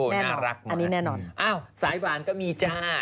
น่ารักอันนี้แน่นอนอ้าวสายหวานก็มีจ้า